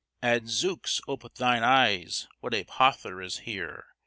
"Adzooks, ope thine eyes, what a pother is here!